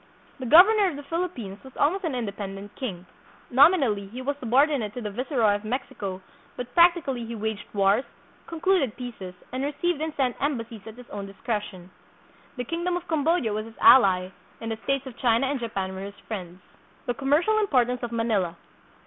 The governor of the Philippines was almost an inde pendent king. Nominally, he was subordinate to the viceroy of Mexico, but practically he waged wars, con cluded peaces, and received and sent embassies at his own discretion. The kingdom of Cambodia was his ally, and the states of China and Japan were his friends. The Commercial Importance of Manila.